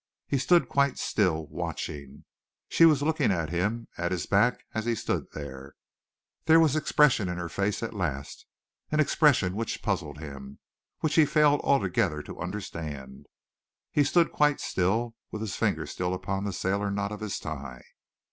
He stood quite still, watching. She was looking at him, at his back, as he stood there. There was expression in her face at last, an expression which puzzled him, which he failed altogether to understand. He stood quite still, with his fingers still upon the sailor knot of his tie.